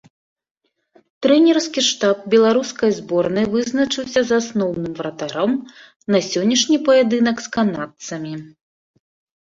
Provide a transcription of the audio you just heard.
Трэнерскі штаб беларускай зборнай вызначыўся з асноўным варатаром на сённяшні паядынак з канадцамі.